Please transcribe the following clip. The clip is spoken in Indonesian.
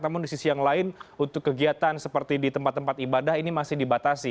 namun di sisi yang lain untuk kegiatan seperti di tempat tempat ibadah ini masih dibatasi